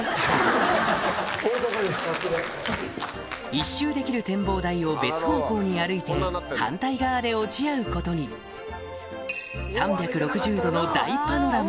一周できる展望台を別方向に歩いて反対側で落ち合うことに３６０度の大パノラマ